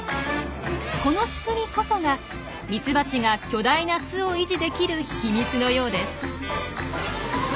この仕組みこそがミツバチが巨大な巣を維持できる秘密のようです。